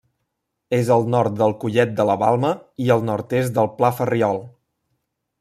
És al nord del Collet de la Balma i al nord-est del Pla Ferriol.